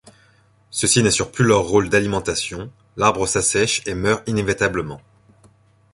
Ceux-ci n’assurent plus leur rôle d’alimentation, l’arbre s’assèche et meurt inévitablement.